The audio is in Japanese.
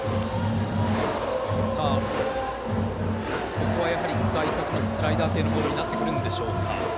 ここは外角のスライダー系になってくるんでしょうか。